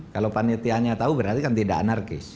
kalau panitianya tahu berarti kan tidak anarkis